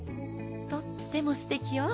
とってもすてきよ！